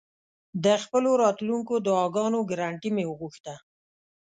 د خپلو راتلونکو دعاګانو ګرنټي مې وغوښته.